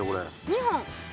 ２本？